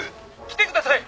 来てください」